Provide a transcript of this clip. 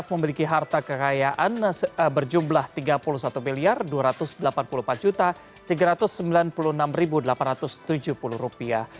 kemudian naik menjadi sembilan ratus tiga puluh dua empat ratus delapan puluh sembilan enam ratus atau naik satu ratus tujuh dua puluh